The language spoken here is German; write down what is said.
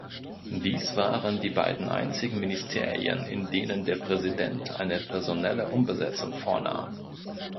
Dies waren die beiden einzigen Ministerien, in denen der Präsident eine personelle Umbesetzung vornahm.